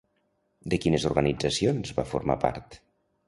De quines organitzacions va formar part?